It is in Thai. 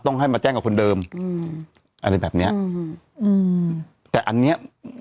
ให้มาแจ้งกับคนเดิมอืมอะไรแบบเนี้ยอืมอืมแต่อันเนี้ย